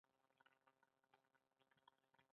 هوا د افغانستان یوه طبیعي ځانګړتیا ده.